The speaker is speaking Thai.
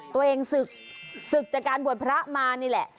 ตัวเองศึกศึกจากการบวชพระมานี่แหละ